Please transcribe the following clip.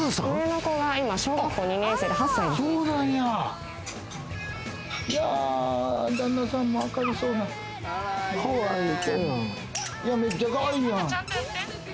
上の子がめっちゃ、かわいいやん！